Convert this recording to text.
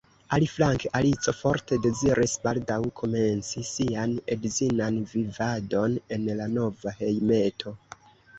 Aliflanke Alico forte deziris baldaŭ komenci sian edzinan vivadon en la nova hejmeto.